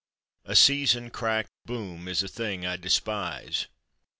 A season cracked boom is a thing I despise.